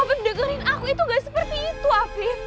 apa dengerin aku itu gak seperti itu ya